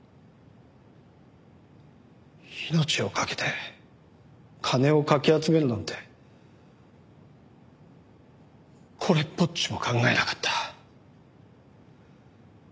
命をかけて金をかき集めるなんてこれっぽっちも考えなかった。